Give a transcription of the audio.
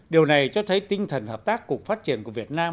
điều này cho thấy tinh thần hợp tác cùng phát triển của việt nam